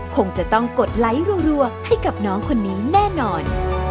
คงจะต้องกดไลค์รัวให้กับน้องคนนี้แน่นอน